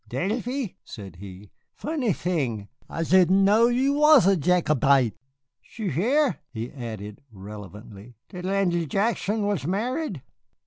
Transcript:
"Davy," said he, "funny thing I didn't know you wash a Jacobite. Sh'ou hear," he added relevantly, "th' Andy Jackson was married?"